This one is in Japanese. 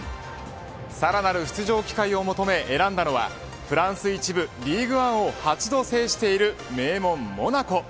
さらなる出場機会を求めて選んだのフランス一部リーグ、アンを８度制しているモナコ。